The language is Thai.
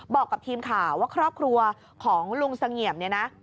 บอกกับทีมข่าวว่าครอบครัวของลุงเสงี่ยมเนี่ยนะ